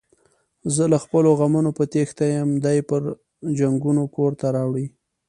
زه له خپلو غمونو په تېښته یم، دی پري جنگونه کورته راوړي.